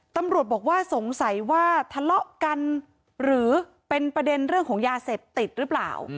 ตำรวจบอกว่าสงสัยว่าทะเลาะกันหรือเป็นประเด็นเรื่องของยาเสพติดหรือเปล่า